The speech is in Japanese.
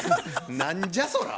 何じゃそら。